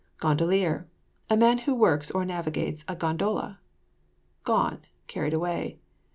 GONDOLIER. A man who works or navigates a gondola. GONE. Carried away.